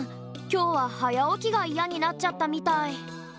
きょうははやおきがイヤになっちゃったみたい。